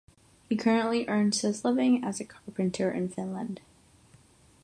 He currently earns his living as a carpenter in Finland.